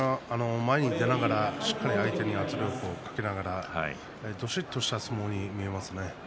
前に出ながら相手にしっかり圧力をかけながらどしっとした相撲に見えますね。